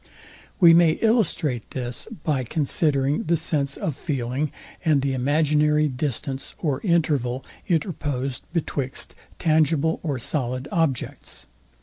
We may illustrate this by considering the sense of feeling, and the imaginary distance or interval interposed betwixt tangible or solid objects.